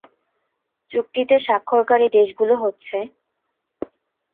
চুক্তিতে স্বাক্ষরকারী দেশগুলো হচ্ছে:-